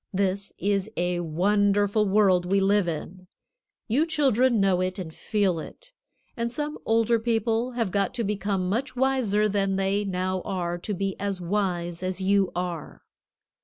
This is a wonderful world we live in. You children know it and feel it, and some older people have got to become much wiser than they now are to be as wise as you are.